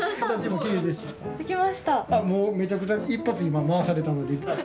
めちゃくちゃ一発今回されたので。